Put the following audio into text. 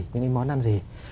những cái món ăn gì